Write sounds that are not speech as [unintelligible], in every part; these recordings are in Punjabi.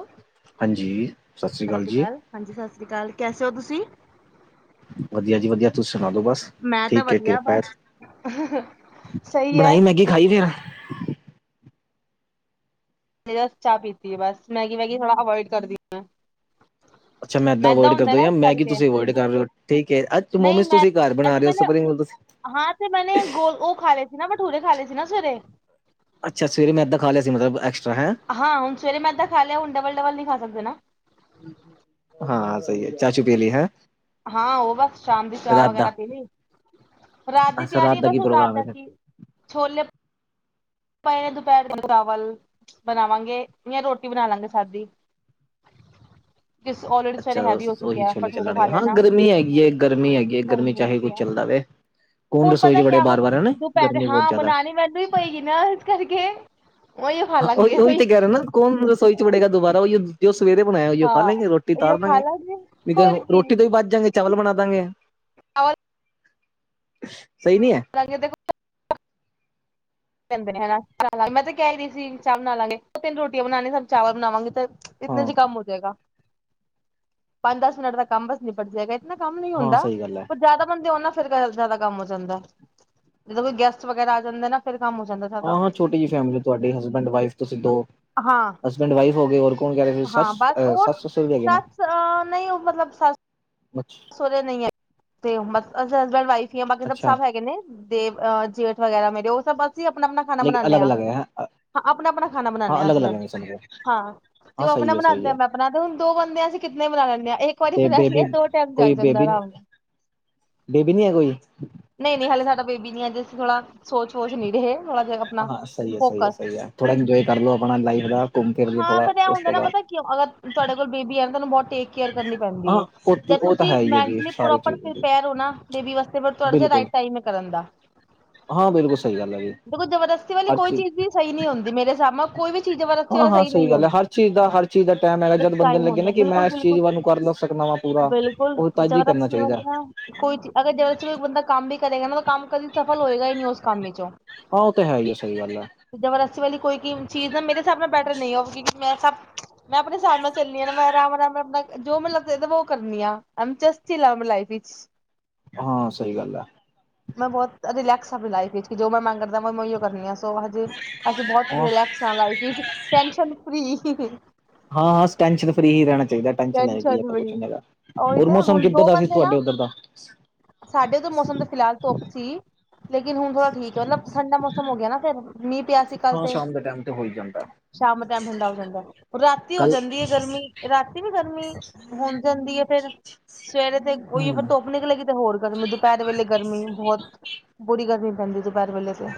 ਸਤਿ ਹਾਂਜੀ ਸਤਿ ਸ੍ਰੀ ਸ਼੍ਰੀ ਜੀ ਅਕਾਲ ਹਾਂਜੀ ਸਤਿ ਸ਼੍ਰੀ ਅਕਾਲ ਕੈਸੇ ਹੋ ਤੁਸੀਂ? ਵਧੀਆ ਜੀ ਵਧੀਆ। ਤੁਸੀ ਸੁਣਾ ਦੋ ਬਸ ਮੈਂ ਤਾਂ ਠੀਕ ਹੈ ਵਧੀਆ ਕਿਰਪਾ ਬਸ ਸਹੀ ਹੈ ਬਣਾਈ ਮੈਗੀ ਖਾਈ ਫੇਰ? ਮੈਂ ਤਾਂ ਚਾਹ ਪਤੀ ਹੈ ਬਸ ਮੈਗੀ ਵੈਗੀ ਥੋੜਾ ਅਵੋਇਡ ਕਰਦੀ ਹਾਂ। ਅੱਛਾ ਮੈਦਾ ਅਵੋਇਡ ਕਰਦੇ ਔ ਯਾ ਇਸ ਮੈਗੀ ਕਰਕੇ ਤੁਸੀਂ ਅਵੋਇਡ ਕਰ ਰਹੇ ਹੋ ਠੀਕ ਹੈ ਅੱਜ ਤਾਂ ਨਹੀਂ ਮੋਮੋਜ਼ ਮੈਂ ਤੁਸੀਂ ਘਰ ਬਣਾ ਅੱਜ ਰਹੇ ਹੋ ਉਸ ਤੋਂ ਮੈਨੇ ਪਹਿਲਾ ਮੋਮੋਜ਼। ਹਾਂ ਤੇ ਮੈਂਨੇ ਗੋਲ ਉਹ ਖਾ ਲਏ ਸੀ ਨਾ ਭਠੂਰੇ ਖਾ ਲਏ ਸੀ ਨਾ ਸਵੇਰੇ। ਅੱਛ ਸਵੇਰੇ ਮੈਂ ਏਦਾਂ ਖਾ ਲਿਆ ਮਤਲਬ, ਹੈ ਹਾਂ ਹੁਣ ਸਵੇਰੇ ਮੈ ਤਾਂ ਖਾ ਲਿਆ, ਹੁਣ ਡਬਲ ਡਬਲ ਨੀ ਖਾ ਸਕਦੇ ਨਾ। ਹਾਂ ਸਹੀ ਹੈ ਚਾ ਚੂ ਪੀਲੀ ਹੈ। ਹਾਂ, ਉਹ ਬਸ ਸ਼ਾਮ ਦੀ ਚਾਹ ਰਾਤ ਦਾ ਵਗੈਰਾ ਪੀਲੀ। ਰਾਤ ਦੀ ਅੱਛਾ ਤਿਆਰੀ ਹੈ, ਦਾ ਕੀ ਬਸ ਰਾਤ ਪ੍ਰੋਗਰਾਮ ਹੈ ਦਾ ਫਿਰ ਕੀ ਛੋਲੇ ਆਪਾਂ ਇਹਨੇ ਦੁਪਹਿਰ ਚਾਵਲ ਬਣਾਵਾਂਗੇ, ਜਾਂ ਰੋਟੀ ਬਣਾ ਲਾਂਗੇ ਸਾਦੀ। [unintelligible] ਕਿਸ ਔਲਰੇਡੀ ਸਾਰੇ ਅੱਛਾ ਹੈਵੀ ਹੋ ਉਹੀ ਚੁੱਕਿਆ, ਛੋਲੇ ਪਰੋਠੇ ਖਾ ਚੱਲਣਗੇ ਹਾਂ ਲੈਣਾ ਗਰਮੀ ਹੈਗੀ ਹੈ ਗਰਮੀ ਹੈਗੀ ਹੈ ਗਰਮੀ ਚਾਹੇ ਕੁੱਝ ਹੋ। ਚੱਲਦਾ ਵੇ ਕੌਣ ਹੁਣ ਰਸੋਈ ਚ ਪਤਾ ਬੜੇ ਕਿਆ ਬਾਰ ਹੁਣ ਬਾਰ ਹੈ ਨਾ ਦੁਪਹਿਰੇ ਗਰਮੀ ਬਹੁਤ ਹਾਂ ਜ਼ਿਆਦਾ ਬਣਾਉਣੀ ਮੈਨੂੰ ਹੀ ਪਏਗੀ, ਨਾ ਇਸ ਕਰਕੇ ਉਹੀਓ ਖਾ ਹਾਂ ਲਾਂਗੇ ਉਹੀ-ਉਹੀ ਉਹੀ ਤੇ ਕਹਿ ਰਹੇ ਨਾ ਕੌਣ ਰਸੋਈ ਚ ਵੜੇਗਾ, ਦੁਬਾਰਾ ਉਹੀ ਜ ਉਹ ਸਵੇਰੇ ਬਣਾਇਆ, ਉਹ ਹਾਂ ਖਾ ਲੈਂਗੇ ਰੋਟੀ ਉਹੀਓ ਤਾਰ ਖਾ ਦਾਂਗੇ ਲਾਂਗੇ ਵੀ ਤੇ ਹੋਰ ਕੀ ਰੋਟੀ ਤੋਂ ਵੀ ਵੱਚ ਜਾਗੇ ਚਾਵਲ ਬਣਾ ਦਾਂਗੇ। [unintelligible] ਸਹੀ ਨੀ ਹੈ। ਰੰਗੇ ਦੇਖ। ਨੇ ਹਨਾ ਬਣਾ ਲਾਂਗੇ ਮੈਂ ਤੇ ਕਹਿ ਰਹੀ ਸੀ, ਚਾਹ ਬਣਾ ਲਾਂਗੇ ਤਿੰਨ ਰੋਟੀਆਂ ਬਣਾਵਾਗੇ, ਸਭ ਚਾਵ ਬਣਾਵਾਂਗੇ ਤੇ। ਹਾਂ ਇਤਨਾ ਜੀ ਕੰਮ ਹੋ ਜਾਏਗਾ, ਪੰਜ ਦਸ ਮਿੰਨਟ ਦਾ ਕੰਮ ਬਸ ਨਿਪਟ ਜਾਏਗਾ। ਨਾ ਕੰਮ ਨੀ ਹਾਂ ਹੁੰਦਾ ਸਹੀ ਗੱਲ ਹੈ ਪਰ ਜ਼ਿਆਦਾ ਬੰਦੇ ਉਹਨਾਂ ਫਿਰ ਜਿਆਦਾ ਕੰਮ ਹੋ ਜਾਂਦਾ, ਜਦੋਂ ਕੋਈ ਗੈਸਟ ਵਗੈਰਾ ਆ ਜਾਂਦੇ ਨਾ ਫ਼ਿਰ ਕੰਮ ਹੋ ਜਾਂਦਾ। ਜ਼ਿਆਦਾ ਹਾਂ, ਹਾਂ ਛੋਟੀ ਜਿਹੀ ਫੈਮਿਲੀ ਤੁਹਾਡੀ ਹਸਬੈਂਡ ਵਾਈਫ ਤੋਂਸੀ ਦੋ ਹਾਂ ਹਸਬੈਂਡ ਵਾਈਫ ਹੋ ਗਏ ਹੋਰ [unintelligible] ਹਾਂ ਬਸ ਉਹ ਸੱਤ-ਸੱਤ ਹੋ ਗਏ ਨੇ। ਸੱਸ ਅਹ ਸੋਰੇ ਨਹੀਂ ਹੈ, ਤੇ ਬ ਅਸੀਂ ਹਸਬੈਂਡ ਵਾਈਫ ਹੀ ਆ ਬਾਕੀ ਸਭ ਅੱਛਾ ਸਭ ਹੈਗੇ ਨੇ ਦੇ ਅਹ ਜੇਠ ਵਗੈਰਾ ਮੇਰੇ, ਉਹ ਸਭ ਅਸੀਂ ਆਪਣਾ ਆਪਣਾ ਖਾਣਾ ਲੇਕਿਨ ਬਨਾਨੇ ਅਲੱਗ ਹਾਂ ਅਲੱਗ ਹੈ ਹਾਂ ਆਪਣਾ-ਆਪਣਾ ਖਾਣਾ ਬਨਾਨੇ ਹਾਂ ਅਲੱਗ ਅਸੀਂ ਅਲੱਗ ਸਭ ਹੈ ਸਮਝ ਹਾਂ ਤੇ ਹਾਂ ਉਹ ਆਪਣਾ ਸਹੀ ਹੈ ਸਹੀ ਬਨਾਦੇਂ ਆ, ਹੈ ਮੈਂ ਆਪਣਾ ਤੇ ਹੁਣ ਦੋ ਬੰਦੇ ਅਸੀਂ ਕਿੰਨੇ ਬਣਾ ਲੈਂਦੇ ਆ, ਇੱਕ ਵਾਰੀ ਤੇ ਬੇਬੀ ਬਣਾਣੀਏ ਦੋ ਟਾਈਮ ਚੱਲ ਕੋਈ ਜਾਂਦਾ ਬੇਬੀ ਨਹੀਂ, ਆਰਾਮ ਨਾਲ। ਬੇਬੀ ਨਹੀ ਹੈ ਕੋਈ ਨਹੀਂ-ਨਹੀਂ ਹਾਲੇ ਸਾਡਾ ਬੇਬੀ ਨਹੀ ਥੋੜ੍ਹਾ, ਸੋਚ ਨਹੀਂ ਰਹੇ ਥੋੜਾ ਜਿਹਾ ਆਪਣਾ ਹਾਂ ਸਹੀ ਹੈ, ਸਹੀ ਹੈ, ਫੋਕਸ ਸਹੀ ਹੈ ਥੋੜਾ ਇੰਜੋਏ ਕਰਲੋ ਆਪਣਾ ਲਾਈਫ ਦਾ ਘੁੰਮ ਫਿਰਲੋ ਹਾਂ ਥੋੜਾ ਫਿਰ ਇਹ ਉਸ ਹੁੰਦਾ ਤੋਂ ਨਾ ਬਾਅਦ ਪਤਾ ਕਿਉਂ ਅਗਰ ਤੁਹਾਡੇ ਕੋਲ ਬੇਬੀ ਹੈ ਨਾ, ਤੁਹਾਨੂੰ ਬਹੁਤ ਟੇਕ ਕੇਅਰ ਕਰਨੀ ਹਾਂ ਪੈਂਦੀ ਹੈ ਉਹ ਜ ਉਹ ਤਾਂ ਤੁਸੀ ਹੈ ਹੀ ਹੈ ਜੀ ਮੇਨਟੀਲੀ ਸਾਰੀ ਪ੍ਰੋਪਰ ਚੀਜ਼ ਦੀ। ਪਿਰਪੇਅਰ ਔ ਨਾ ਬੇਬੀ ਵਾਸਤੇ ਫਿਰ ਤੁਹਾਡਾ ਬਿਲਕੁਲ ਰਾਇਟ ਟਾਇਮ ਹੇ ਕਰਨ ਦਾ। ਹ ਹਾਂ ਬਿਲਕੁਲ ਸਹੀ ਗੱਲ ਹੈ ਜੀ ਦੇਖੋ ਜਬਰਦਸਤੀ ਵਾਲੀ ਕੋਈ ਚੀਜ਼ ਵੀ ਸਹੀ ਨਹੀਂ ਹੁੰਦੀ ਮੇਰੇ ਹਿਸਾਬ ਨਾਲ ਕੋਈ ਵੀ ਚੀਜ਼ ਜਬਰਤੀ ਹਾਂ ਹਾਂ ਸਹੀ ਗੱਲ ਹੈ, ਹਰ ਚੀਜ਼ ਦਾ ਹਰ ਚੀਜ਼ ਦਾ ਟਾਈਮ ਹੈਗਾ ਜਦ ਬੰਦੇ ਨੂੰ ਲੱਗੇ ਨਾ, ਕਿ ਮੈਂ ਇਸ ਚੀਜ਼ ਵੀ ਨੂੰ ਕਰ ਦੱਸ ਸਕਦਾ ਵਾ, ਬਿਲਕੁਲ ਜਬਰਦਸਤੀ ਵਾਲੀ ਨਾ ਕੋਈ ਅਗਰ ਜਬਰਦਸਤੀ ਕੋਈ ਬੰਦਾ ਕੰਮ ਵੀ ਕਰੇਗਾ, ਨਾ ਕੰਮ ਕਰੀ। ਸਫਲ ਹੋਏਗਾ ਹੀ ਨਹੀਂ ਉਸ ਕੰਮ ਵਿਚੋਂ, ਹਾਂ ਉਹ ਤਾਂ ਹੈ ਹੀ ਆ ਸਹੀ ਗੱਲ ਹੈ ਜ਼ਬਰਸੀ ਵਾਲੀ, ਕੋਈ ਚੀਜ਼ ਨਾ ਮੇਰੇ ਹਿਸਾਬ ਨਾਲ ਬੈਟਰ ਨਹੀਂ ਹੋ ਕਿਉਂਕਿ ਮੈਂ ਸਭ ਮੈਂ ਆਪਣੇ ਸਾਬ ਨਾਲ ਚੱਲਣੀ ਆ ਨਾ ਮੈਂ ਰਾਮ, ਰਾਮ, ਰਾਮ ਦਾ ਜੋ ਮੈਨੂੰ ਕਰਨੀ ਆ ਐਮਚਸ ਲ ਲਾਈਫ ਵਿੱਚ ਹਾਂ ਸਹੀ ਗੱਲ ਆ ਮੈਂ ਬਹੁਤ ਰਿਲੈਕਸ ਆਪਣੀ ਲਾਈਫ ਵਿਚ ਜੋ ਮੈਂ ਮੰਨ ਕਰਦਾ, ਮੈਂ ੳਹੀ ਕਰਨੀ ਆ ਸੋ ਹੇ ਅਸੀਂ ਬਹੁਤ ਹਾਂ ਰਿਲੇਕਸ ਲਾਈਫ ਵਿੱਚ ਟੈਨਸ਼ਨ ਫ੍ਰਰੀ ਹਾਂ ਹਾਂ ਟੈਂਨਸ਼ਨ ਫਰੀ ਹੀ ਰਹਿਣਾ ਚਾਹੀਦਾ ਟੈਨਸ਼ਨ ਤਿੰਨ ਲੈਕੇ ਕਿ [inaudible] ਆਪ ਜਨਵਰੀ ਕੁਛ ਨੀ ਹੈਗਾ ਉਹੀ ਹੋਰ ਤਾਂ ਮੌਸਮ ਹੁਣ ਕਿੱਦਾਂ ਦੋ ਦਾ ਸੀ ਬੰਦੇ ਤੁਹਾਡੇ ਨਾ ਉੱਧਰ ਦਾ ਸਾਡੇ ਤੋਂ ਮੌਸਮ ਦਾ ਫਿਲਹਾਲ ਧੁੱਪ ਸੀ। ਲੇਕਿਨ ਹੁਣ ਥੋੜ੍ਹਾ ਠੀਕ ਹੈ, ਮਤਲਬ ਠੰਡਾ ਮੌਸਮ ਹੋ ਗਿਆ ਫਿਰ ਮੀਂਹ ਪਿਆ ਸੀ ਕੱਲ ਹਾਂ ਤੇ ਸ਼ਾਮ ਦੇ ਤੇ ਹੋਈ ਜਾਂਦਾ ਸ਼ਾਮ ਟਾਈਮ ਠੰਡਾ ਹੋ ਜਾਂਦਾ, ਰਾਤੀ ਹੋ ਕੱਲ ਜਾਂਦੀ ਹੈ ਗਰਮੀ ਰਾਤੀ ਵੀ ਗਰਮੀ ਹੋਣ ਜਾਂਦੀ ਹੈ। ਫੇਰ ਸਵੇਰੇ ਤੇ ਉਹੀ ਹਮ ਧੁੱਪ ਨਿਕਲੇਗੀ ਤੇ ਹੋਰ ਗਰਮੀ ਦੁ ਦੁਪਹਿਰ ਵੇਲੇ ਗਰਮੀ ਬਹੁਤ, ਬੁਰੀ ਗਰਮੀ ਪੈਂਦੀ ਦੁਪਹਿਰ ਵੇਲੇ ਤੇ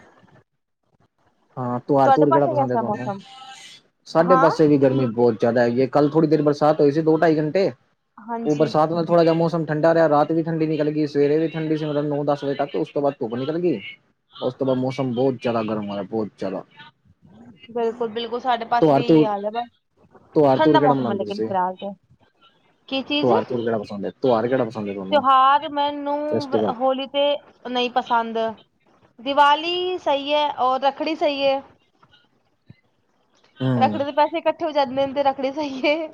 ਹਾਂ ਤਿਉਹਾਰ ਤੁਹਾਡੇ ਤਿਹੁਰ ਕਿਹੜਾ ਪਾਸੇ ਪਸੰਦ ਹੈ ਕੈਸਾ ਤੁਹਾਨੂੰ? ਮੌਸਮ ਸਾਡੇ ਹਾਂ ਪਾਸੇ ਵੀ ਗਰਮੀ ਬਹੁਤ ਜ਼ਿਆਦਾ ਹੈਗੀ ਹੈ ਕੱਲ ਥੋੜੀ ਦੇਰ ਬਰਸਾਤ ਹੋਈ ਸੀ, ਦੋ ਢਾਈ ਘੰਟੇ ਉਹ ਹਾਂਜੀ ਬਰਸਾਤ ਥੋੜਾ ਜਿਹਾ ਮੌਸਮ ਠੰਡਾ ਰਿਹਾ ਰਾਤ ਵੀ ਠੰਢੀ ਨਿਕਲ ਗਈ ਸਵੇਰੇ ਵੀ ਠੰਢੀ ਸੀ ਮਤਲਬ ਨੌ ਦਸ ਵਜੇ ਤੱਕ ਉਸ ਤੋਂ ਬਾਅਦ ਧੁੱਪ ਨਿਕਲ ਗਈ। ਉਸ ਤੋਂ ਬਾਅਦ ਮੌਸਮ ਬਹੁਤ ਜਿਆਦਾ ਗਰਮ ਹੋ ਗਿਆ ਬਹੁਤ ਜ਼ਿਆਦਾ। ਬਿਲਕੁਲ ਬਿਲਕੁਲ ਸਾਡੇ। ਬਸ ਵੀ ਤਿਉਹਾਰ ਇਹੀ ਤੂਰ ਹਾਲ ਹੈ ਬਸ ਤਿਉਹਾਰ ਤੂਰ ਠੰਡਾ ਕਿਹੜਾ ਮੌਸਮ ਹੈ ਮਨਾਉਂਦੇ ਲੇਕਿਨ ਤੁਸੀਂ ਫਿਹਾਲ ਤੇ। ਕੀ ਤਿਉਹਾਰ ਤੁਹਰ ਕੇੜਾ ਪਸੰਦ ਹੈ ਤਿਉਹਾਰ ਕੇੜਾ ਪਸੰਦ ਹੈ। ਤੁਹਾਨੂੰ ਤਿਉਹਾਰ ਮੈਨੂੰ ਫੈਸਟੀਵਲ ਹੋਲੀ ਤੇ ਨਹੀਂ ਪਸੰਦ। ਦੀਵਾਲੀ ਸਹੀ ਹੈ ਔਰ ਰੱਖੜੀ ਸਹੀ ਹੈ। ਹੂੰ ਰੱਖੜੀ ਦੇ ਪੈਸੇ ਇਕੱਠੇ ਹੋ ਜਾਂਦੇ ਹਨ ਤੇ ਰੱਖੜੀ ਸਹੀਏ।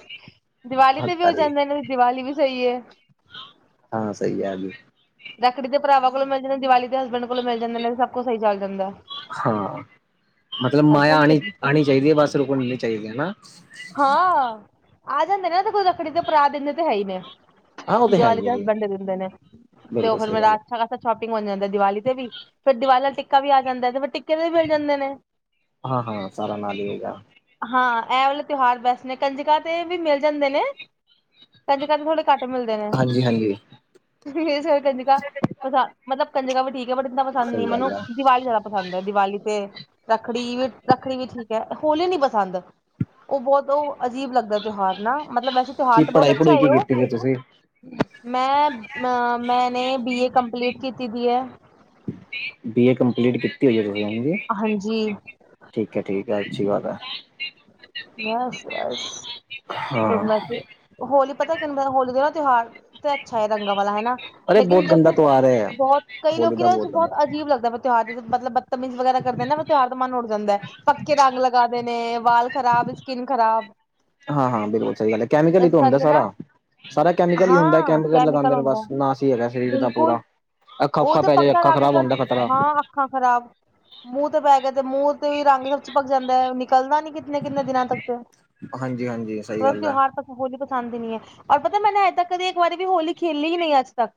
ਦੀਵਾਲੀ ਤੇ ਵੀ ਹੋ ਹੱਕਤਾਰੀ ਜਾਂਦੇ ਨੇ, ਦੀਵਾਲੀ ਵੀ ਸਹੀ ਹੈ। ਹਾਂ ਸਹੀ ਹੈ ਏ ਵੀ। ਰੱਖੜੀ ਤੇ ਭਰਾਵਾਂ ਕੋਲੋਂ ਮਿਲ ਜਾਂਦੇ ਦੀਵਾਲੀ ਦੇ ਹਸਬੈਂਡ ਕੋਲੋਂ ਮਿਲ ਜਾਂਦੇ ਨੇ ਤੇ ਸਭ ਕੁਛ ਸਹੀ ਚੱਲ ਜਾਂਦਾ। ਹਾਂ ਮਤਲਬ ਮਾਇਆ ਹਸਬੈਂਡ ਆਣੀ ਤੇ ਆਣੀ ਚਾਹੀਦੀ ਹੈ ਬਸ ਰੁਕਣੀ ਨੀ ਚਾਹੀਦੀ ਹਨਾ। ਹਾਂ ਆ ਜਾਂਦੇ ਨਾ ਤੇ ਕੋਈ ਰਖੜੀ ਤੇ ਪਰਾ ਦਿੰਦੇ ਤੇ ਹੈ ਹੀ ਨੇ। ਹਾਂ ਉਹ ਤਾਂ ਹੈ ਦੀਵਾਲੀ ਹੀ ਦੇ ਹੈ ਜੀ ਹਸਬੈਂਡ ਦੇ ਦਿੰਦੇ ਨੇ ਤੇ ਉਹ ਬਿਲਕੁਲ ਫਿਰ ਸਹੀ ਮੈਂ ਗੱਲ ਹੈ ਰਾਤ। ਅੱਛਾ ਖਾਸਾ ਸ਼ੋਪਿੰਗ ਹੋ ਜਾਂਦੀ ਹੈ ਦੀਵਾਲੀ ਤੇ ਵੀ ਫਿਰ ਦੀਵਾਲੀ ਨਾਲ ਟਿੱਕਾ ਵੀ ਆ ਜਾਂਦਾ ਤੇ ਫਿਰ ਟਿੱਕੇ ਤੇ ਵੀ ਮਿਲ ਜਾਂਦੇ ਨੇ। ਹਾਂ ਹਾਂ ਸਾਰਾ ਨਾਲ ਈ ਹੈਗਾ ਹਾਂ ਇਹ ਵਾਲੇ ਤਿਉਹਾਰ ਬੈਸਟ ਨੇ ਕੰਜਕਾਂ ਤੇ ਵੀ ਮਿਲ ਜਾਂਦੇ ਨੇ ਕੰਜਕਾਂ ਤੇ ਥੋੜ੍ਹੇ। ਘੱਟ ਮਿਲਦੇ ਨੇ। ਹਾਂਜੀ ਹਾਂਜੀ ਕੰਜਕਾ ਮਤਲਬ ਕੰਜਿਕਾ ਵੀ ਠੀਕ ਹੈ ਬਟ ਇੰਨਾ ਪਸੰਦ ਨਹੀਂ ਸਹੀ ਮੈਨੂੰ ਗੱਲ ਆ ਦੀਵਾਲੀ ਜ਼ਿਆਦਾ। ਪਸੰਦ ਹੈ ਦੀਵਾਲੀ ਤੇ ਰੱਖੜੀ ਵੀ ਰੱਖੜੀ ਵੀ ਠੀਕ ਹੈ, ਹੋਲੀ ਨੀ ਪਸੰਦ। ਉਹ ਬਹੁਤ ਉਹ ਅਜੀਬ ਲੱਗਦਾ ਤਿਉਹਾਰ ਨਾ ਮਤਲਬ ਵੈਸੇ ਤਿਉਹਾਰ ਕੀ ਤਾਂ ਬਹੁਤ ਪੜ੍ਹਾਈ ਅੱਛਾ ਪੜ੍ਹੂਈ ਕੀ ਹੈ ਉਹ। ਕੀਤੀ ਤੁਸੀਂ ਮੈਂ ਅ ਮੈਂਨੇ ਬੀ ਏ ਕੰਪਲੀਟ ਕੀਤੀ ਦੀ ਹੈ। ਬੀਏ ਕੰਪਲੀਟ ਕੀਤੀ ਹੋਈ ਹੈ [unintelligible] ਹਾਂਜੀ ਠੀਕ ਹੈ ਠੀਕ ਹੈ ਅੱਛੀ ਗੱਲ ਹੈ। ਬਸ ਬਸ ਮੈਂ ਫਿਰ ਹੋਲੀ ਪਤਾ ਕਿਹਨੂੰ ਪ ਹੋਲੀ ਦਾ ਨਾ ਤਿਉਹਾਰ ਤੇ ਅੱਛਾ ਏ ਰੰਗਾਂ ਵਾਲਾ ਹੈ ਨਾ। ਲੇਕਿਨ ਜੈਸੇ ਬਹੁਤ ਕਈ ਲੋਕ ਨਾ ਬਹੁਤ ਅਜੀਬ ਲੱਗਦਾ। ਤਿਉਹਾਰ ਦੇ ਦਿਨ ਮਤਲਬ ਬਦਤਮੀਜ਼ ਵਗੈਰਾ ਕਰਦੇ ਨੇ ਨਾ ਤਿਉਹਾਰ ਦਾ ਮਨ ਉੱਠ ਜਾਂਦਾ ਹੈ ਪੱਕੇ ਰੰਗ ਲਗਾ ਦੇਣੇ। ਵਾਲ ਖਰਾਬ ਸਕਿਨ ਖ਼ਰਾਬ। ਹਾਂ ਹਾਂ ਬਿਲਕੁਲ ਸਹੀ ਗੱਲ ਹੈ ਕੈਮੀਕਲ ਹੀ ਇਸ ਤਾਂ ਹੁੰਂਦਾ ਕਰਕੇ ਨਾ ਸਾਰਾ। ਸਾਰਾ ਕੈਮੀਕਲ ਹੀ ਹੁੰਦਾ ਹੈ ਹਾਂ ਕੈਮੀਕਲ ਲਗਾਉਦੇ ਨੇ ਹੁੰਦਾ ਬਸ ਨਾਸ ਹੀ ਹੈਗਾ ਸਰੀਰ ਦਾ ਪੂਰਾ। ਬਿਲਕੁਲ ਅੱਖਾਂ ਉਹ ਉਖਾਂ ਤੇ ਪੈ ਜਾਏ ਪੱਕਾ ਅੱਖਾਂ ਰੰਗ ਖਰਾਬ ਹੋਣਦਾ ਖਤਰਾ। ਹਾਂ ਅੱਖਾਂ ਖਰਾਬ ਮੂੰਹ ਤੇ ਪੈ ਗਿਆ ਤੇ ਮੂੰਹ ਤੇ ਵੀ ਰੰਗ ਸਭ ਚਿਪਕ ਜਾਂਦਾ ਨਿਕਲਦਾ ਨੀ। ਕਿਤਨੇ ਕਿਤਨੇ ਦਿਨਾਂ ਤੱਕ ਤੇ ਹਾਂਜੀ ਹਾਂਜੀ ਸਹੀ ਗੱਲ ਹੈ ਤਿਉਹਾਰ ਤੱਕ। ਹੋਲੀ ਪਸੰਦ ਹੀ ਨਹੀਂ ਹੈ ਔਰ ਪਤਾ ਮੈਨੇ ਅਜੇ ਤੱਕ ਕਦੇ ਇੱਕ ਵਾਰੀ ਵੀ ਹੋਲੀ ਖੇਲੀ ਹੀ ਨਹੀਂ ਅੱਜ ਤੱਕ।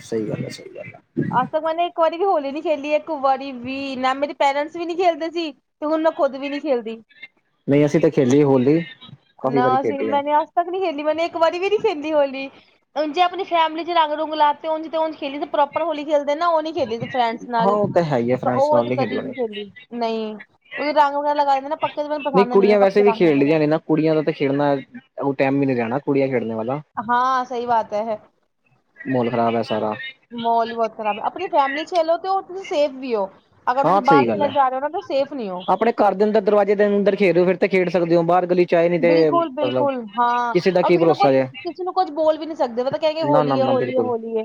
ਸਹੀ ਗੱਲ ਹੈ ਸਹੀ ਗੱਲ ਹੈ ਅਜ ਤਕ ਮੈਨੇ ਇੱਕ ਵਾਰੀ ਵੀ ਹੋਲੀ ਨੀ ਖੇਲੀ ਇੱਕ ਵਾਰੀ ਵੀ ਨਾ ਮੇਰੀ ਪੇਰੈਂਟਸ ਵੀ ਨੀ ਖੇਲਦੇ ਸੀ ਤੇ ਹੁਣ ਮੈਂ ਖੁਦ ਵੀ ਨਹੀਂ ਖੇਲਦੀ ਨਹੀਂ ਅਸੀਂ ਤਾਂ ਖੇਲੀ ਹੋਲੀ ਕਾਫ਼ੀ ਵਾਰੀ ਖੇਡੀ ਹੈ ਤੱਕ ਨਹੀਂ ਖੇਲੀ, ਮੈਨੇ ਇੱਕ ਵਾਰੀ ਵੀ ਨੀ ਖੇਲੀ ਹੋਲੀ ਉਂਜ ਜੈ ਆਪਣੀ ਫੈਮਿਲੀ ਚ ਰੰਗ ਰੂਗ ਲਾਤੇ ਉਂਜ ਤੇਉਂਜ ਖੇਲਣੀ ਏ ਤੇ ਪ੍ਰੌਬਲਮ ਆਪ ਹੋਲੀ ਖੇਲਦੇ ਨਾ ਉਹ ਨੀ ਖੇਲੀ ਫਰੈਂਡਸ ਹਾਂ ਨਾਲ ਉਹ ਤਾਂ ਹੈ ਹੀ ਹੈ ਫਰੈਂਡਸ ਉਹ ਨਾਲ ਕਦੇ ਨਹੀਂ ਖੇਡਣੀ ਖੇਲੀ ਨਹੀਂ ਕਿਉਂਕਿ ਰੰਗ ਵਗੈਰਾ ਲਗਾ ਦਿੰਦੇ ਨਾ ਪੱਕੇ ਮੈਨੂੰ ਪਸੰਦ ਨਹੀਂ ਹੈ ਕੁੜੀਆਂ ਵੈਸੇ ਪੱਕੇ ਵੀ ਰੰਗ ਖੇਡਦੀਆਂ ਵਗੈਰਾ। ਨੇ ਨਾ ਕੁੜੀਆਂ ਦਾ ਤਾਂ ਖੇਡਣਾ ਉਹ ਟੈਮ ਹੀ ਨੀ ਰਹਿਆ ਨਾ ਕੁੜੀਆਂ ਖੇਡਨੇ ਵਾਲਾ। ਹਾਂ ਸਹੀ ਬਾਤ ਹੈ। ਮਾਹੌਲ ਖ਼ਰਾਬ ਹੈ ਸਾਰਾ ਮਹੋਲ ਹੀ ਬਹੁਤ ਖਰਾਬ ਹੈ ਆਪਣੀ ਫੈਮਿਲੀ ਚ ਖੇਲੋ ਤੇ ਉਹ ਤੁਸੀਂ ਸੇਫ ਵੀ ਹੋ। ਅਗਰ ਤੁਸੀਂ ਹਾਂ ਬਾਹਰ ਸਹੀ ਗੱਲ ਹੈ ਖੇਲਣ ਜਾ ਰਹੇ ਹੋ ਨਾ ਤਾਂ ਸੇਫ ਨੀ ਹੋ। ਆਪਣੇ ਘਰ ਦੇ ਅੰਦਰ ਦਰਵਾਜ਼ੇ ਦੇ ਅੰਦਰ ਖੇਲ ਰ ਹੋ ਫੇਰ ਤੇ ਖੇਡ ਸਕਦੇ ਹੋ ਬਾਹਰ ਗਲੀ ਚ ਆਏ ਨੀ ਤੇ ਬਿਲਕੁਲ ਮਤਲਬ ਬਿਲਕੁਲ ਹਾਂ ਦਾ ਉਹ ਕੀ ਕਿਸੇ ਨੂੰ ਭਰੋਸਾ ਜੇ ਕੁਛ ਕਿਸੇ ਨੂੰ ਕੁੱਝ ਬੋਲ ਵੀ ਨਹੀਂ ਸਕਦੇ ਮ ਕਹਿ ਗ ਨਾ ਹੋਲੀ ਨਾ ਏ ਨਾ ਹੋੌਲੀ ਹੈ ਬਿਲਕੁਲ ਹੋਲੀ ਹੈ।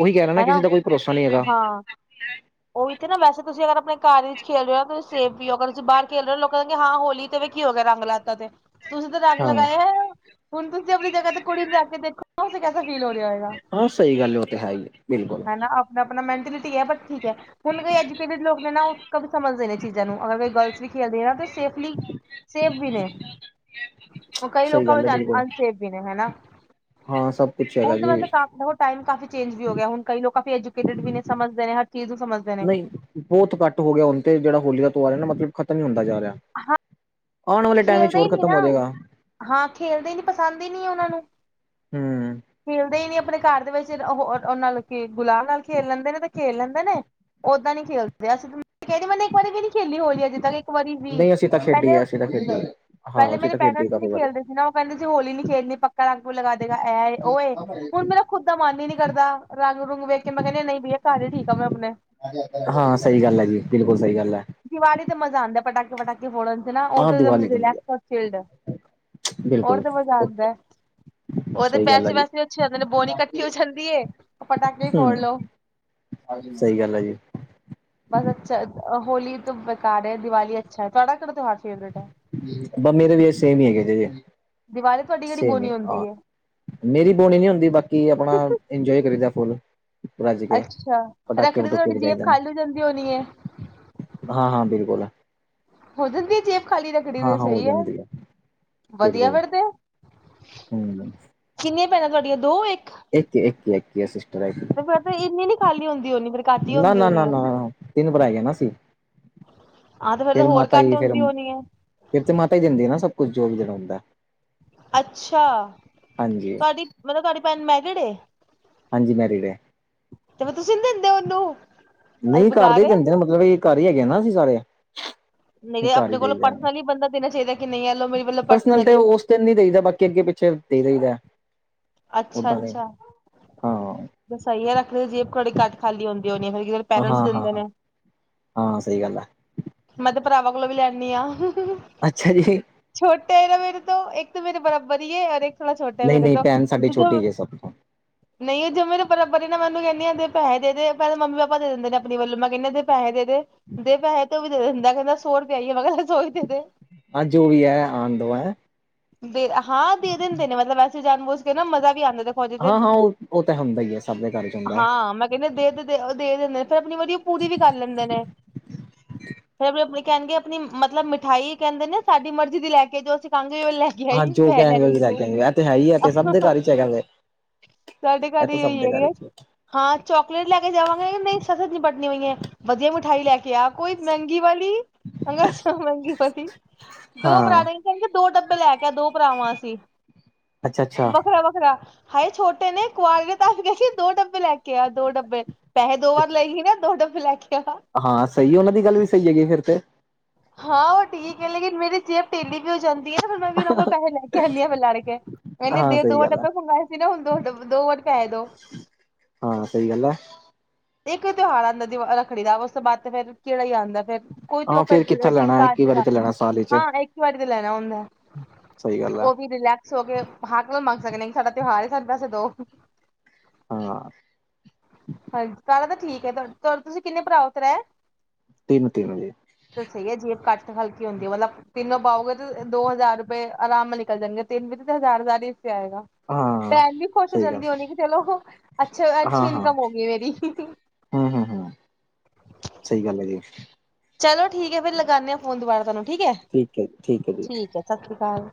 ਉਹੀ ਕਹਰੇਹਾ ਨਾ ਕਿਸੇ ਹਨਾ ਦਾ ਕੋਈ ਭਰੋਸਾ ਨਹੀਂ ਹੈਗਾ। ਹਾਂ ਉਹੀ ਤੇ ਨਾ ਵੈਸ ਤੁਸੀਂ ਅਗਰ ਆਪਣੇ ਘਰ ਵਿੱਚ ਖੇਲ ਰਹੇ ਹੋ ਨਾ ਤੁਸੀਂ ਸੈਫ ਵਿ ਹੋ, ਅਗਰ ਤੁਸੀਂ ਬਾਰ ਖੇਲ ਰਹੇ ਹੋ ਲੋਕ ਕਹਿੰਦੇ ਹਾਂ ਹੋਲੀ ਕੀ ਹੋ ਗਿਆ ਰੰਗ ਲਾਤਾ ਤੇ ਤੁਸੀਂ ਤਾਂ ਰੰਗ ਹਾਂ ਲਗਾਏ ਹੈ ਹੁਣ ਤੁਸੀਂ ਆਪਣੀ ਜਗ੍ਹਾ ਤੇ ਕੁੜੀ ਜਾ ਕੇ ਦੇਖ ਕੈਸਾ ਫੀਲ ਹੋ ਰਿਹਾ ਹੈਗਾ ਹਾਂ ਸਹੀ ਗੱਲ ਉਹ ਤੇ ਹੈ ਹੀ ਬਿਲਕੁਲ ਹਨ ਨਾ ਆਪਣਾ ਮੈਂਟਲਿਟੀ ਹੈ ਤੇ ਠੀਕ ਹੈ ਹੁਣ ਕੋਈ ਐਜੂਕੇਟਿਡ ਲੋਕ ਨੇ ਨਾ ਸਮਝਦੇ ਨੇ ਚੀਜ਼ਾਂ ਨੂੰ ਅਗਰ ਕੋਈ ਗਰਲਸ ਵੀ ਖੇਲਦੇ ਨਾ ਸੇਫਲੀ ਸੇਫ ਵੀ ਨੇ ਉਹ ਕਈ ਸਹੀ ਲੋਕਾਂ ਗੱਲ ਵਿੱਚ ਹੈ ਅ ਬਿਲਕੁਲ ਅਨਸੇਫ ਵੀ ਨੇ ਹਨਾ ਹਾਂ ਸਭ ਕੁਛ ਹੈਗਾ ਹੁਣ ਤਾਂ ਜੀ ਵੈਸੇ ਕਾਫ ਟਾਈਮ ਕਾਫੀ ਚੇਜ ਵੀ ਹੋ ਗਿਆ ਹੁਣ ਕ ਲੋਕ ਕਾਫੀ ਐਜੂਕੇਟਡ ਵੀ ਨੇ ਸਮਝਦੇ ਨੇ ਹਰ ਚੀਜ਼ ਨੂੰ ਸਮਝਦੇ ਨੇ ਨਹੀਂ ਬਹੁਤ ਘੱਟ ਹੋ ਗਿਆ ਹੁਣ ਤੇ ਜਿਹੜਾ ਹੋਲੀ ਦਾ ਤਿਉਹਾਰ ਹੈ ਨਾ ਮਤਲਬ ਖਤਮ ਨਹੀਂ ਹੁੰਦਾ ਜਾ ਰਿਹਾ ਹਾਂ ਆਉਣ ਵਾਲੇ ਟਾਈਮ ਵਿੱਚ ਖੇਲਦੇ ਹੀ ਹੋਰ ਨੀ ਖਤਮ ਨਾ ਹੋ ਜਾਏਗਾ ਹਾਂ ਖੇਲਦੇ ਨੀ ਪਸੰਦ ਹੀ ਨਹੀਂ ਉਹਨਾਂ ਨੂੰ [unintelligible] ਖੇਲਦੇ ਹੀ ਨੀ ਆਪਣੇ ਘਰ ਦੇ ਵਿੱਚ ਉਹ ਉਹ ਨਾਲ ਗੁਲਾਬ ਨਾਲ ਖੇਲ ਲੈਂਦੇ ਨੇ ਤੇ ਖੇਲ ਲੈਂਦਾ ਨੇ ਉੱਦਾਂ ਨੀ ਖੇਲਦੇ ਅਸੀਂ ਕਹਿੰਦੇ ਮੈਨੇ ਇੱਕ ਵਾਰੀ ਵਿ ਨੀ ਖੇਲੀ ਹੋਲੀ ਆ ਜਿੱ ਤੱਕ ਇੱਕ ਵਾਰੀ ਵੀ ਨਹੀਂ ਅਸੀਂ ਤਾਂ ਪਹਿਲੇ [unintelligible] ਪਹਿਲੇ ਅਸੀਂ ਮੇਰੇ ਤਾਂ ਖੇਡੀ ਪੇਰੈਂਟਸ ਨੀ ਕਾਫੀ ਵਾਰੀ ਖੇਲਦੇ ਸੀ ਨਾ ਉਹ ਕਹਿੰਦੇ ਸੀ ਹੋੌਲੀ ਨੀ ਖੇਲਣੀ ਪੱਕਾ ਰੰਗੂ ਲਗਾ ਦੇਗਾ ਇਹ ਉਹਏ ਹੁਣ ਮਤੂੰ ਖੁਦ ਦਾ ਮਨ ਹੀ ਨਹੀਂ ਕਰਦਾ ਰੰਗ ਰੂੰਗ ਵੇਖ ਕੇ ਮੈਂ ਕਹਿੰਦੀ ਨਹੀਂ ਬਈਆ ਘਰ ਹੀ ਠੀਕ ਆ ਮੈਂ ਆਪਣੇ ਹਾਂ ਸਹੀ ਗੱਲ ਹੈ ਜੀ ਬਿਲਕੁਲ ਸਹੀ ਗੱਲ ਹੈ। ਦੀਵਾਲੀ ਤੇ ਮਜ਼ਾ ਆਂਦਾ ਪਟਾਕੇ ਪਟਾਕੇ ਫੋੜਨ ਚ ਨਾ ਉਹ ਹਾਂ ਤੇ ਦੀਵਾਲੀ ਮਜ਼ਾ ਰੇਲੈਕਸ ਔਰ ਚਿਲਡ ਹੋਰ ਬਿਲਕੁਲ ਤੇ ਮਜ਼ਾ ਉਹ ਆਉਂਦਾ। ਉਹਦੇ ਸਹੀ ਗੱਲ ਪੈਸੇ ਹੈ ਜੀ ਵੈਸੇ ਵੀ ਅੱਛੇ ਆਦੇ ਨੇ ਬੋਨਿ ਇਕੱਠੀ ਹੋ ਜਾਂਦੀ ਹੈ ਪਟਾਕੇ ਵੀ ਫੋੜ ਲੋ ਹਾਂ ਸਹੀ ਗੱਲ ਹੈ ਜੀ ਬਸ ਅੱਛਾ ਹੋਲੀ ਤਾਂ ਬੇਕਾਰ ਹੈ ਦੀਵਾਲੀ ਅੱਛਾ ਹੈ ਤੁਹਾਡਾ ਕਿਹੜਾ ਤਿਉਹਾਰ ਫੇਵਰੇਟ ਹੈ ਬ ਮੇਰੇ ਲਿਏ ਸੇਮ ਹੀ ਹੈਗੇੇ ਦੀਵਾਲੀ ਤੁਹਾਡੀ ਕਿਹੜੀ ਸੇਮ ਹੀ ਬੋਨੀ ਹਾਂ ਹੁੰਦੀ ਹੈ ਮੇਰੀ ਬੋਣੀ ਨੀ ਹੁੰਦੀ ਬਾਕੀ ਆਪਣਾ ਇੰਜੋਏ ਕਰੀਈ ਦਾ ਫੁਲ ਅੱਛਾ ਰੱਖੜੀ ਦੀ ਪਟੂਕੇ ਤੁਹਾਡੀ ਵਜਾਈ ਜੇਬ ਦੇ ਨੇ ਖਾਲ ਹੋ ਜਾਂਦੀ ਹੋਣੀ ਹੈ ਹਾਂ ਹਾਂ ਬਿਲਕੁਲ ਹੈ ਹੋ ਜਾਂਦੀ ਜੇ ਖਾਲੀ ਰੱਖੜੀ ਹਾਂ ਤੇ ਹਾਂ ਹੋ ਸਹੀ ਹੈ ਜਾਂਦੀ ਵਧੀਆ ਬਿਲਕੁਲ ਫਿਰਦੇ ਹਮ ਕਿੰਨੀਆਂ ਭੈਣਾ ਤੁਹਾਡੀਆਂ ਦੋ ਇੱਕ ਇੱਕ ਇੱਕ ਇੱਕ ਸ ਤੇ ਫਿਰ ਤਾਂ ਇੰਨੀ ਨੀ ਖਾਲੀ ਹੁੰਦੀ ਹੋਣੀ ਫਿਰ ਘੱਟ ਹੀ ਨਾ ਨਾ ਨਾ ਨਾ ਤਿੰਨ ਭਰਾ ਹੈ ਇ ਨਾ ਅਸੀ ਆਾਂ ਤੇ ਫੇਿਰ ਤਾਂ ਹੋਰ ਘੱਟ ਹੁੰਦੀ ਹੋਣੀ ਹੈ ਫਿਰਰ ਤੇ ਮਾਤਾ ਹੀ ਦਿੰਦੀ ਹੈ ਨਾ ਸਭ ਕੁਛ ਜੋ ਵੀ ਦੇਨਾ ਹੁੰਦਾ ਏ ਅੱਛਾ ਹਾਂਜੀ ਤੁਹਾਡੀ ਮਤਲਬ ਤੁਹਾਡੀ ਭੈਣ ਮੈਰਡ ਏ ਹਾਂਜੀ ਮੱਰੀਏਡ ਏ ਤੇ ਫੇਰ ਤੁਸੀਂ ਨਿ ਦਿੰਦੇ ਉਹਨੂੰ ਅ ਨਹੀਂ ਘਰ ਦੇ ਬੇਕਾਰ ਹੀ ਏ ਦੇਂਦੇ ਹਨ ਮਤਲਬ ਘਰ ਹੀ ਹੈਗੇ ਨਾ ਅਸੀ ਸਾਰੇ ਨਈ ਘਰ ਹੀ ਅਪਣੇ ਕੋਲੋਂ ਦੇਈਦਾ ਪਰਸਨਲੀ ਬੰਦਾ ਦੇਣਾ ਚਾਈਦਾ ਕਿ ਨਈ ਐ ਪਰਸਨਲ ਤੇ ਉਸ ਦਿਨ ਨ ਦੇਈਦਾ ਬਾਕੀ ਅੱਗੇ ਪਿੱਛੇ ਦੇ ਦਈਦਾ ਅੱਛਾ ਅੱਛਾ ਸਹੀ ਹੈ ਰੱਖੜੀ ਜੇਬ ਤੁਹਾਡੀ ਘਟ ਖਾਲੀ ਹੁੰਦੀ ਹੋਣੀ ਫਿਰ ਹਾਂ ਪੇਰੈਂਟਸ ਹਾਂ ਦਿੰਦੇ ਹਾਂ ਨੇ ਹਾਂ ਸਹੀ ਗੱਲ ਹੈ ਮੈਂ ਤੇ ਭਰਾਵਾਂ ਕੋਲੋਂ ਵੀ ਲੈਦੀ ਹਾਂ ਅੱਛਾ ਜੀ ਛੋਟੇ ਹੈ ਨਾ ਮੇਰੇ ਤੋਂ ਇੱਕ ਤਾਂ ਮੇਰੇ ਬਰਾਬਰ ਹੀ ਹੈ ਔ ਇੱਕ ਥੋੜਾ ਛੋਟਾ ਹੈ ਨਹੀਂ ਮੇਰੇ ਨਹੀਂ ਤੋਂ ਭੈਣ ਸਾਡੀ ਛੋਟੀ ਜੇ ਸਭ ਤੋਂ [inaudible] ਨਈ ਉਹ ਜੇ ਮੇਰੇ ਬਰਾਬਰ ਏ ਨਾ ਮੈਂ ਓਹਨੁੰ ਕੈਨੀ ਆ ਦੇ ਪੈਹੇ ਦੇਦੇ ਪੈਲੈ ਮੰਮੀ ਪਾਪਾ ਦੇ ਦਿੰਦੇ ਨੇ ਅਪਣੇ ਵਲੋਂ ਮੈਂ ਕਹਨੀ ਦੇ ਪੈਹੇ ਦੇ ਦੇ, ਦੇ ਪੈਹੇ ਤੇ ਉਹ ਵੀ ਦੇ ਦਿੰਦਾ, ਕਹਿੰਦਾ ਸੌ ਰੁਪਈਆ ਹੈਈਏ ਮੈਂ ਕਿਆ ਆਜੋ ਵੀ ਆਯਾ ਆਣ ਦੋ ਐ। ਦੇ ਹਾਂ ਦੇ ਦਿੰਦੇ ਨੇ ਮਤਲਬ ਵੈਸੇ ਜਾਣ ਬੁਝ ਕੇ ਨਾ ਮਜ਼ਾ ਵੀ ਆਂਦਾ ਦੇ ਹਾਂ, ਹਾਂ ਉਹ, ਉਹ ਤਾਂ ਹੁੰਦਾ ਈ ਐ ਸਭ ਦੇ ਘਰ ਚ ਹੁੰਦਾ ਐ। ਕਹਂਦੇ ਦੇ ਤੇ ਦੇ ਅ ਦੇ ਦਿੰਦੇ ਨੇ ਫੇਰ ਅਪਣੀ ਵੀ ਉਹ [unintelligible] ਪੂਰੀ ਵੀ ਕਰ ਲੈਂਦੇ ਨੇ, ਫੇਰ ਆਪਣੀ-ਆਪਣੀ। ਕਹਣਗੇ ਅਪਣੀ ਮਤਲਬ ਮਿਠਾਈ ਕਹਿੰਦੇ ਨੇ ਸਾਡੀ ਮਰਜ਼ੀ ਦੀ ਲੈ ਕੇ ਜੋ ਅਸੀਂ ਕਾਂਗੇ ਓਹ ਲੈਕੇ ਹਾਂ ਜੋ ਕਹਿਣਗੇ ਉਹੀ ਲੇ ਕੇ ਆਏਂਗੇ [unintelligible] ਤੇ ਹੈ ਈ ਐ ਤੇ ਸਬ ਦੇ ਘਰ ਚ ਹੈਗਾ ਦੇ, ਸਾਡੇ ਇਹ ਘਰ ਤਾਂ ਹੀ ਸਭ ਦੇ ਹੋਈ ਘਰ ਹੈ ਚ ਹਾਂ ਚੋਕਲੇਟ ਲੈ ਕੇ ਜਾਵਾਂਗੇ ਯਾ ਨਈ ਸਸਤੇ ਚ ਨਿਪਟਣੀ ਪਈ ਏ, ਵਦੀਆ ਮਿਠਾਈ ਲੈ ਕੇ ਆ ਕੋਈ ਮਹਿੰਗੀ ਵਾਲੀ ਹਛ [unintelligible] ਮਹਿੰਗੀ ਬਰਫੀ, ਦੋ ਭਰਾ ਹਾਂ ਨਈ ਕਹਨਗੇ ਦੋ ਡੱਬੇ ਲੈ ਕੇ ਆ ਦੋ ਭਰਾ ਵਾਂ ਅਸੀਂ। ਅੱਛਾ-ਅੱਛਾ। ਵੱਖਰਾ-ਵੱਖਰਾ ਹਾਏ ਛੋਟੇ ਨੇ ਕੁਆਰੇ ਤਾ ਕਿਆ ਸੀ ਦੋ ਡੱਬੇ ਲੈ ਕੇ ਆ, ਦੋ ਡੱਬੇ ਪੈਹੇ ਦੋ ਵਾਰ ਲਹੇ ਹੀ ਨਾ ਦੋ ਡੱਬੇ ਲੈ ਕੇ ਆ। ਹਾਂ ਸਈ ਉਹਨਾਂ ਦੀ ਗੱਲ ਵੀ ਸਈ ਹੈਗੀ ਫੇਰ ਤੇ। ਹਾਂ ਉਹ ਠੀਕ ਏ ਲੇਕਿਨ ਮੇਰੀ ਜੇਬ ਢਿੱਲੀ ਵੀ ਓ ਜਾਂਦੀ ਏਨਾ ਫਿਰ ਮੈਂ ਵੀ ਵੀਰਾ ਕੋਲ ਪੈਹੇ ਲੈ ਕੇ ਆਨੀ ਆ ਫੇਰ ਲੜ ਕੇ। ਕਹਨੀ ਆ ਹਾਂ ਦੇ ਸਹੀ ਦੋ ਗੱਲ ਹੈ ਡੱਬਾ ਮਂਗਵਾਏ ਸੀ ਨਾ ਹੁਣ ਦੋ ਦੋ ਵਾਰ ਪੈਹੇ ਦੋ। ਹਾਂ ਸਈ ਗੱਲ ਐ। ਇੱਕ ਤਿਉਹਾਰ ਆਂਦਾ ਦੀਵਾ ਰੱਖੜੀ ਦਾ, ਉਸ ਤੋਂ ਬਾਦ ਤੇ ਫਿਰ ਕਿਹੜਾ ਈ ਆਂਦਾ ਫਿਰ ਕੋਈ ਤ ਹਾਂ ਆਪਾਂ ਫੇਰ ਕਿੱਥੇ ਲੈਣਾ ਟਿੱਕਾ ਆ ਇੱਕ ਹੀ ਵਾਰੀ ਜੇਗਾ ਤੇ ਲੈਣਾ ਸਾਲ ਹਾਂ ਇੱਕ ਵਾਰੀ ਤੇ ਲੈਣਾ ਹੁੰਦਾ। ਸਈ ਗੱਲ ਐ। ਸੋ ਕੇ ਹੱਕ ਨਾਲ ਮਗ ਸਕਦੇ ਨੇ ਸਾਡਾ ਤਉਂਹਾਰ ਏ ਸਾਣ ਪੈਸੇ ਦੋ। ਹਾਂ। ਹਾਂਜੀ, ਪੈਲਾ ਤਾਂ ਠੀਕ ਐ ਚਲੈ, ਤੁਸੀਂ ਕਿੰਨੇ ਭਰਾ ਓ ਤ੍ਰੇ? ਤਿੰਨ-ਤਿੰਨ ਵੇ। ਸਈ ਐ ਜੇ ਕੱਟ ਕੇ ਹਲਕੀ ਹੁੰਦੀ ਮਤਲਬ ਤਿੰਨੋ ਪਾਓਗੇ ਤੇ ਦੋ ਹਜ਼ਾਰ ਰੁਪਏ ਆਰਾਮ ਨਾਲ ਨਿਕਲ ਜਾਣਗੇ ਤਿੰਨ ਵੀ ਤੇ ਹਜ਼ਾਰ ਹਜ਼ਾਰ ਈ ਹੀਸੇ ਆਏਗਾ। ਹਾਂ ਭੈਣ ਵੀ ਖੁਸ਼ ਹੋ ਸਹੀ ਗੱਲ ਜਾਂਦੀ ਹੋਣੀ ਕਿ ਚਲੋ ਅੱਛ ਅੱਛੀ ਹਾਂ ਹਾਂ ਇਨਕਮ ਹੋ ਗਈ ਮੇਰੀ। ਹੂੰ, ਹੂੰ ਹੂੰ, ਸਈ ਗੱਲ ਹੈਗੀ। ਚਲੋ ਠੀਕ ਐ ਫੇਰ ਲਗਾਨੇ ਆ ਫੋਨ ਦੁਬਾਰਾ ਤੁਆਨੂੰ ਠੀਕ ਐ, ਹੈ ਹੈ ਜੀ ਠੀਕ ਐ ਸਸ ਸ੍ਰੀ ਕਾਲ।